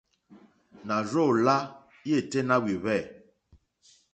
Nà rzô lá yêténá wìhwɛ̂.